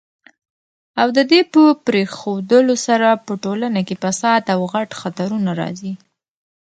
او ددي په پريښودلو سره په ټولنه کي فساد او غټ خطرونه راځي